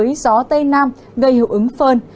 với gió tây nam gây hữu ứng phơn